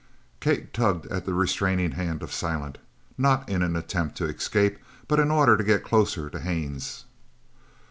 Kate tugged at the restraining hand of Silent, not in an attempt to escape, but in order to get closer to Haines.